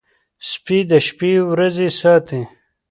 سپي د شپې ورځي ساتي.